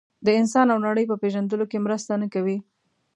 د انسان او نړۍ په پېژندلو کې مرسته نه کوي.